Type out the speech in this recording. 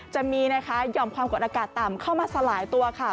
จะมีนะคะยอมความกดอากาศต่ำเข้ามาสลายตัวค่ะ